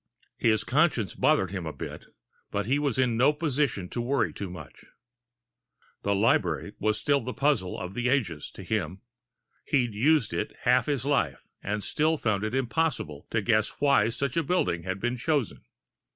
His conscience bothered him a bit, but he was in no position to worry too much. The library was still the puzzle of the ages to him he'd used it half his life, and still found it impossible to guess why such a building had been chosen.